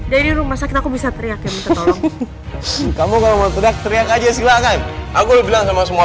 dari rumah sakit aku bisa teriak kamu kamu mau teriak aja silakan aku bilang sama semua